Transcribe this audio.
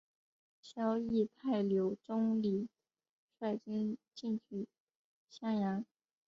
萧绎派柳仲礼率军进取襄阳。